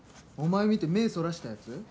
お前見て目そらしたやつ？